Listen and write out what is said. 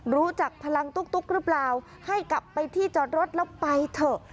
รู้จักพลังตุ๊กหรือเปล่าให้กลับไปที่จอดรถแล้วไปเถอะ